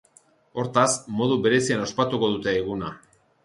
Hortaz, modu berezian ospatuko dute eguna.